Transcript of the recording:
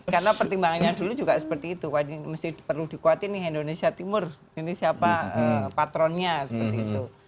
karena pertimbangannya dulu juga seperti itu wadih mesti perlu dikuat ini indonesia timur ini siapa patronnya seperti itu